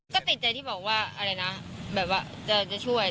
ก็ติดใจที่บอกว่าจะช่วย